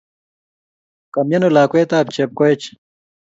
Kamiano lakwet ap Chepkoech?